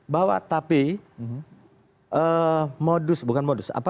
bahwa tapi modus bukan modus